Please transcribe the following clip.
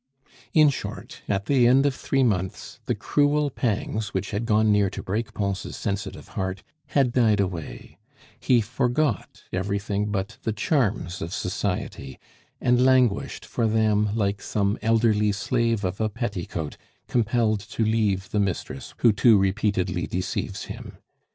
In short, at the end of three months, the cruel pangs which had gone near to break Pons' sensitive heart had died away; he forgot everything but the charms of society; and languished for them like some elderly slave of a petticoat compelled to leave the mistress who too repeatedly deceives him.